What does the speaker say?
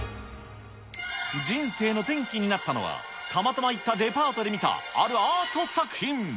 人生の転機になったのは、たまたま行ったデパートで見たあるアート作品。